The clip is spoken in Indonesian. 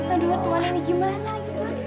aduh tuhan ini gimana lagi tuhan